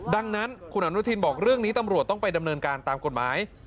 ดังนั้นคุณอนุทินบอกเรื่องนี้ตำรวจต้องไปดำเนินการตามกฎหมาย